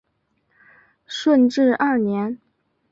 顺治二年。